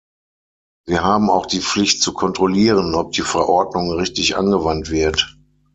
Wir haben auch die Pflicht, zu kontrollieren, ob die Verordnung richtig angewandt wird.